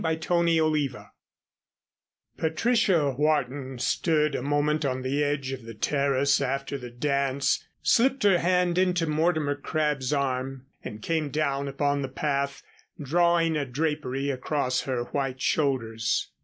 CHAPTER XI Patricia Wharton stood a moment on the edge of the terrace after the dance, slipped her hand into Mortimer Crabb's arm and came down upon the path, drawing a drapery across her white shoulders.